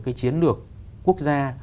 chiến lược quốc gia